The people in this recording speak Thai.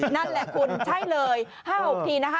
นั่นแหละคุณใช่เลย๕๖ทีนะคะ